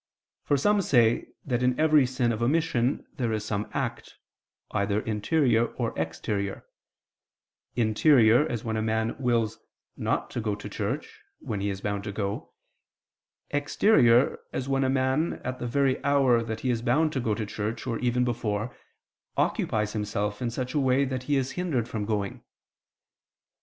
For some say that in every sin of omission there is some act, either interior or exterior interior, as when a man wills not to go to church, when he is bound to go exterior, as when a man, at the very hour that he is bound to go to church (or even before), occupies himself in such a way that he is hindered from going.